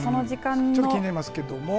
ちょっと気になりますけれども。